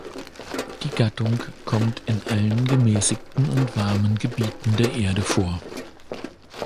Die Gattung kommt in allen gemäßigten und warmen Gebieten der Erde vor.